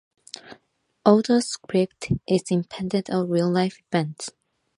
Although scripted, it expanded on real-life events.